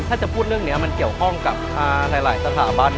ถ้าจะพูดเรื่องนี้มันเกี่ยวข้องกับหลายสถาบัน